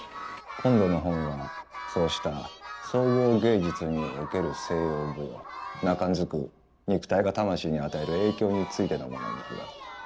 今度の本はそうした総合芸術における西洋舞踊なかんずく肉体が魂に与える影響についてのものになるだろう。